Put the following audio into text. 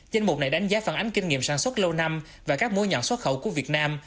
danh mục này đánh giá phản ánh kinh nghiệm sản xuất lâu năm và các mối nhọn xuất khẩu của việt nam